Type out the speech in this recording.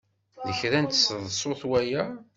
D kra n tseḍsut waya?